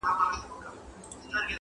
چي مجبور یې قلندر په کرامت کړ،